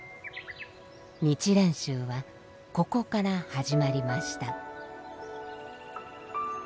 日蓮宗はここから始まりました。